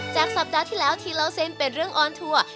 สัปดาห์ที่แล้วที่เล่าเส้นเป็นเรื่องออนทัวร์